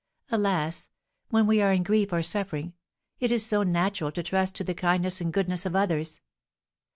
Alas, when we are in grief or suffering, it is so natural to trust to the kindness and goodness of others!